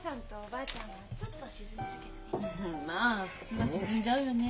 まあ普通は沈んじゃうよね。